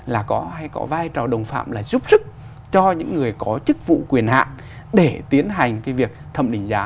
là có hay có vai trò đồng phạm là giúp sức cho những người có chức vụ quyền hạn để tiến hành cái việc thẩm định giá